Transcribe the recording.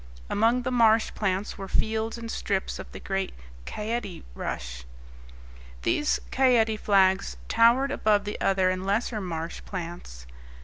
Among the marsh plants were fields and strips of the great caete rush. These caete flags towered above the other and lesser marsh plants.